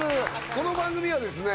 この番組はですね